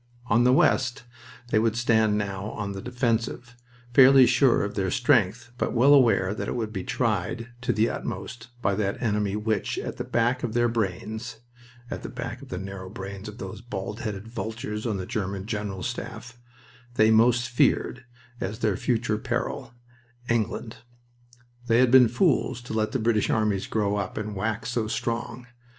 On the west they would stand now on the defensive, fairly sure of their strength, but well aware that it would be tried to the utmost by that enemy which, at the back of their brains (at the back of the narrow brains of those bald headed vultures on the German General Staff), they most feared as their future peril England. They had been fools to let the British armies grow up and wax so strong.